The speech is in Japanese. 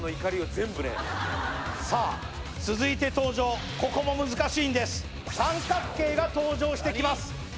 すげえさあ続いて登場ここも難しいんです三角形が登場してきます